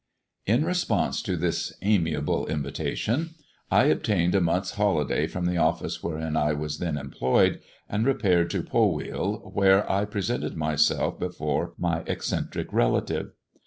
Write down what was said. In response to this amiable invitation I obtained a month's holiday from the office wherein I was then employed, and repaired to Polwheal, where I presented myself before my eccentric relative.